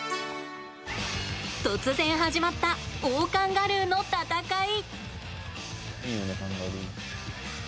突然始まったオオカンガルーの闘い！